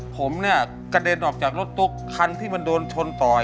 ผมเนี่ยกระเด็นออกจากรถตุ๊กคันที่มันโดนชนต่อย